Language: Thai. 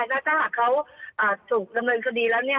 แล้วถ้าหากเขาถูกดำเนินคดีแล้ว